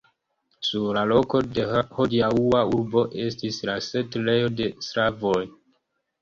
Sur la loko de hodiaŭa urbo estis la setlejo de slavoj.